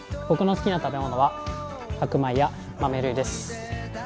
僕の好きな食べ物は白米や豆類です。